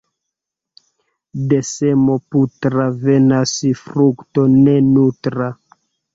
De semo putra venas frukto ne nutra.